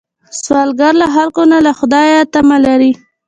سوالګر له خلکو نه، له خدایه تمه لري